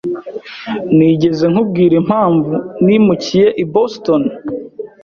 Nigeze nkubwira impamvu nimukiye i Boston?